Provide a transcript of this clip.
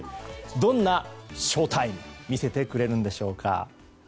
どんなショウタイムを見せてくれるんでしょうか。